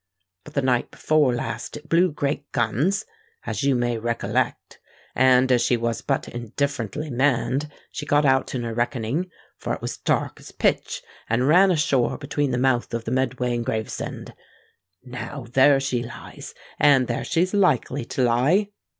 But the night before last it blew great guns, as you may recollect; and as she was but indifferently manned, she got out in her reckoning—for it was as dark as pitch—and ran ashore between the mouth of the Medway and Gravesend. Now, there she lies—and there she's likely to lie.